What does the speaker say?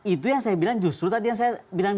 itu yang saya bilang justru tadi yang saya bilang